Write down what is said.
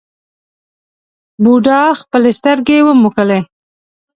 بوډا خپلې سترګې وموښلې.